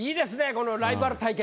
このライバル対決。